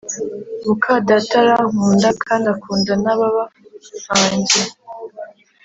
Mukadata arankunda kandi akunda nababa banjye